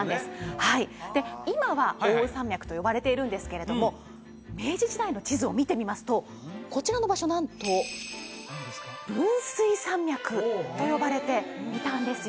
はいで今は奥羽山脈と呼ばれているんですけれども明治時代の地図を見てみますとこちらの場所なんと分水山脈と呼ばれていたんですよ